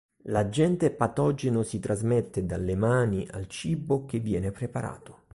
L'agente patogeno si trasmette dalle mani al cibo che viene preparato.